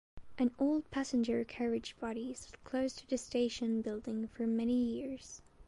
An old passenger carriage body sat close to the station building for many years.